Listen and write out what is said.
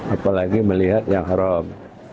apalagi melihat yang haram